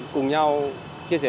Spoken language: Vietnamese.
cùng nhau chia sẻ